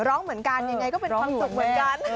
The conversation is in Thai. ร้องเหมือนกันยังไงก็เป็นความสุขเหมือนกัน